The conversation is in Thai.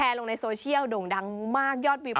น้ำตาตกโคให้มีโชคเมียรสิเราเคยคบกันเหอะน้ำตาตกโคให้มีโชค